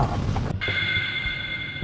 pas berjalan aku mau tanya